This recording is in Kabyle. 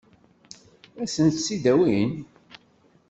Ad sen-tt-id-awin?